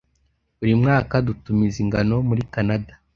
Buri mwaka dutumiza ingano muri Kanada.